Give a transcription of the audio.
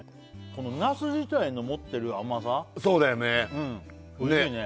このなす自体の持ってる甘さそうだよね